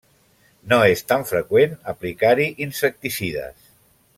No és tan freqüent aplicar-hi insecticides.